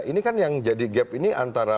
ini kan yang jadi gap ini antara